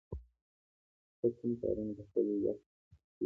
ته کوم کارونه په خپل وخت کې کوې؟